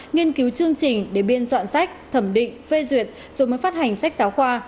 nghiên cứu chương trình để biên soạn sách thẩm định phê duyệt rồi mới phát hành sách giáo khoa